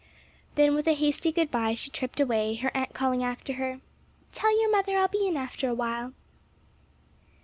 Then with a hasty good bye she tripped away, her aunt calling after her, "Tell your mother I'll be in after a while."